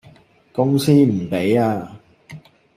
公司唔畀呀